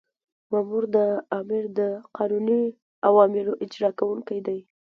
مامور د آمر د قانوني اوامرو اجرا کوونکی دی.